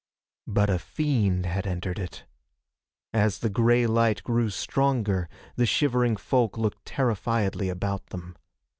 But a fiend had entered it. As the gray light grew stronger the shivering folk looked terrifiedly about them.